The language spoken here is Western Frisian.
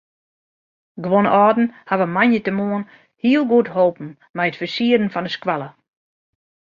Guon âlden hawwe moandeitemiddei hiel goed holpen mei it fersieren fan de skoalle.